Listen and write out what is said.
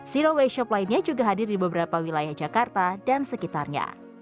zero waste shop lainnya juga hadir di beberapa wilayah jakarta dan sekitarnya